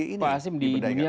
pak hasim di dunia